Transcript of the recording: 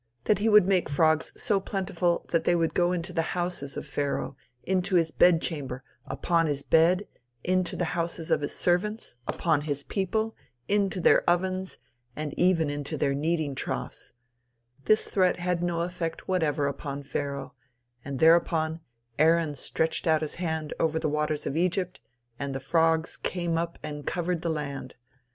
That he would make frogs so plentiful that they would go into the houses of Pharaoh, into his bedchamber, upon his bed, into the houses of his servants, upon his people, into their ovens, and even into their kneading troughs, This threat had no effect whatever upon Pharaoh, And thereupon Aaron stretched out his hand over the waters of Egypt, and the frogs came up and covered the land.